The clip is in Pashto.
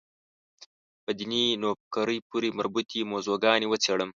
په دیني نوفکرۍ پورې مربوطې موضوع ګانې وڅېړم.